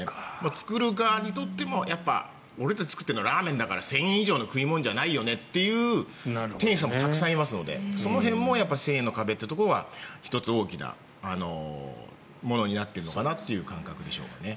作る側にとっても俺たちが作っているのはラーメンだから１０００円以上の食い物じゃないよねという店主さんもたくさんいますのでその辺も１０００円の壁というのは１つ大きなものになっているのかなという感覚でしょうか。